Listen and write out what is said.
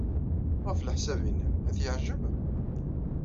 Ɣef leḥsab-nnem, ad t-yeɛjeb?